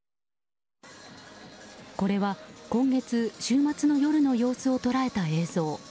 これは今月、週末の夜の様子を捉えた映像。